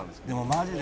マジで」